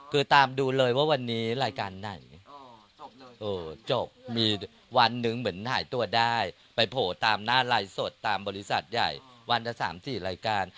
คือตามดูเลยว่าวันนี้รายการไหนจบมีวันหนึ่งเหมือนหายตัวได้ไปโผล่ตามหน้าลายสดตามบริษัทใหญ่วันละ๓๔รายการ